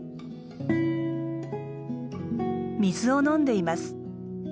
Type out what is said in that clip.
水を飲んでいます。